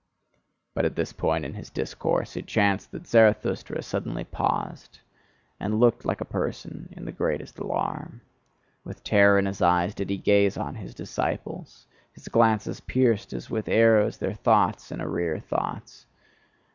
But at this point in his discourse it chanced that Zarathustra suddenly paused, and looked like a person in the greatest alarm. With terror in his eyes did he gaze on his disciples; his glances pierced as with arrows their thoughts and arrear thoughts.